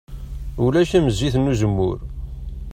Ulac am zzit n uzemmur.